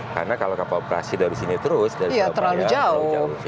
karena kalau kapal operasi dari sini terus dari surabaya dari sini terus